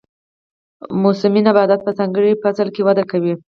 موسمي نباتات په ځانګړي فصل کې وده کوي